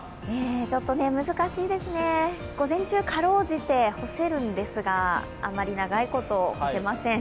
ちょっと難しいですね、午前中かろうじて干せるんですが、あまり長いこと、干せません。